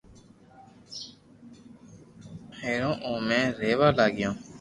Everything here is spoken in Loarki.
ھينرن او مي رھيوا لاگيو